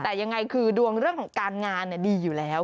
แต่ยังไงคือดวงเรื่องของการงานดีอยู่แล้ว